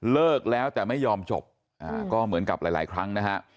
เลิกแล้วแต่ไม่ยอมจบก็เหมือนกับหลายครั้งนะฮะ